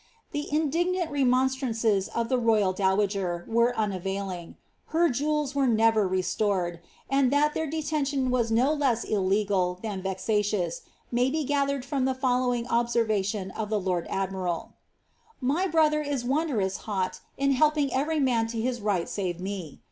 The indignant remonstrances of the royal dowager were unavailing; her jewels were never restored ; and that their detention was no le illegal than vexatious, may be gathered from the following obsenauon of the lord admiral :^* My brother is wondrous hot in helping ereir man to his right save me.